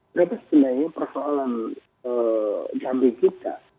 berapa sebenarnya persoalan jambi kita